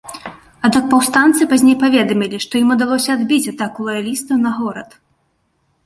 Аднак паўстанцы пазней паведамілі, што ім удалося адбіць атаку лаялістаў на горад.